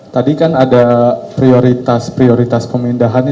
tadi kan ada prioritas prioritas pemindahannya